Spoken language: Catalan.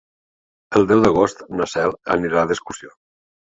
El deu d'agost na Cel anirà d'excursió.